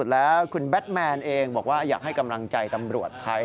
แล้วคุณแบทแมนเองบอกว่าอยากให้กำลังใจตำรวจไทย